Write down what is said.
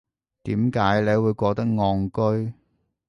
點解你會覺得戇居